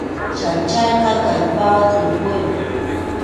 Chhallchayqa kallpawan tʼimpuymi.